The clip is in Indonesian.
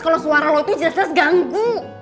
kalo suara lo itu jelas jelas ganggu